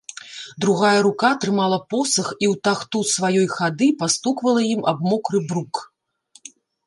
Другая рука трымала посах і ў тахту сваёй хады пастуквала ім аб мокры брук.